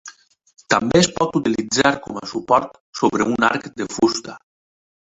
També es pot utilitzar com a suport sobre un arc de fusta.